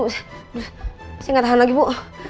pasti gak tahan lagi bu